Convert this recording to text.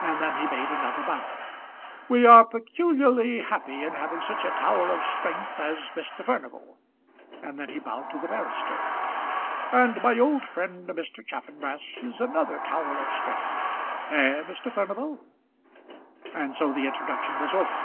And then he made another bow. "We are peculiarly happy in having such a tower of strength as Mr. Furnival," and then he bowed to the barrister. "And my old friend Mr. Chaffanbrass is another tower of strength. Eh, Mr. Furnival?" And so the introduction was over.